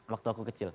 waktu aku kecil